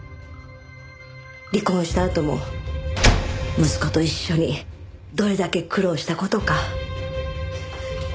離婚したあとも息子と一緒にどれだけ苦労した事か。